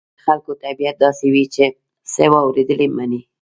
د خلکو طبيعت داسې وي چې څه واورېدل مني.